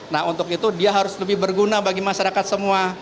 nah untuk itu dia harus lebih berguna bagi masyarakat semua